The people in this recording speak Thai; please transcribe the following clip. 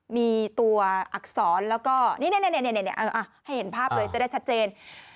มีตัวอักษรแล้วก็นี่ให้เห็นภาพเลยจะได้ชัดเจน